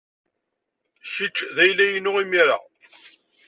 Kečč d ayla-inu imir-a.